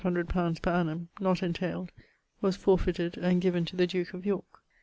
_ per annum), not entailed, forfeited and given to the duke of Yorke.